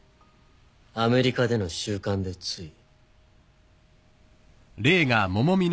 アメリカでの習慣でつい。